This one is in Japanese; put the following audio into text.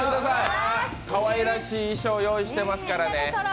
かわいらしい衣装用意してますからね。